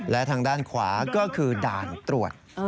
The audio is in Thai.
และทางด้านขวาก็คือด่านตรวจ